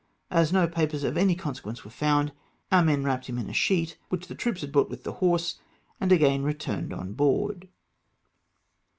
As no papers of any consequence were found, our men wrapped him in a sheet which the troops had brought with the horse, and again returned on board.